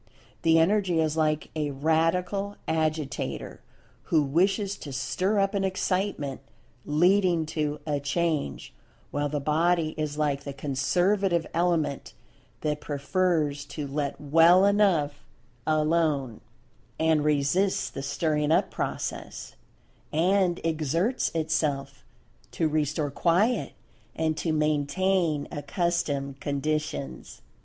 The Energy is like a Radical Agitator who wishes to stir up an Excitement, leading to "a change," while the Body is like the Conservative element that prefers to "let well enough alone," and resists the stirring up process, and exerts itself to restore quiet, and to maintain accustomed conditions.